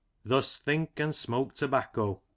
" Thus think and smoke tobacco."